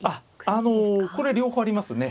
あのこれ両方ありますね。